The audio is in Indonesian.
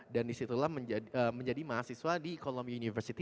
dan disitulah menjadi mahasiswa di columbia university